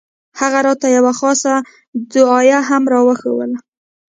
هغه راته يوه خاصه دعايه هم راوښووله.